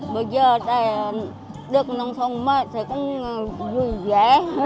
bây giờ thầy được nông thôn mới thầy cũng vui vẻ